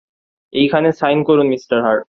এইখানে সাইন করুন, mister heart.